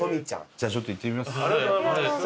じゃあちょっと行ってみます。